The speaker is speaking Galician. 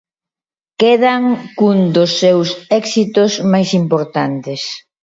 Quedan cun dos seus éxitos máis importantes.